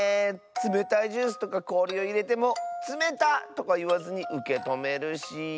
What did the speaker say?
つめたいジュースとかこおりをいれても「つめた！」とかいわずにうけとめるし。